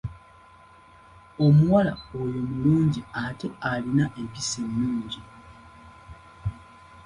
Omuwala oyo mulungi ate alina empisa ennungi.